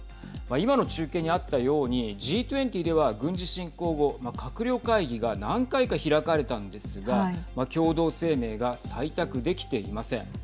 今の中継にあったようにＧ２０では軍事侵攻後閣僚会議が何回か開かれたんですが共同声明が採択できていません。